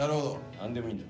何でもいいんだ。